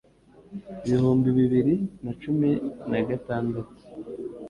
ibihumbi bibiri na cumi na gatandatu